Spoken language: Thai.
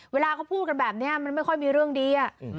เวลาเขาพูดมันไม่ค่อยมีเรื่องดี